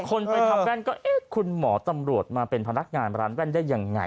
คนไปทำแว่นก็เอ๊ะคุณหมอตำรวจมาเป็นพนักงานร้านแว่นได้ยังไง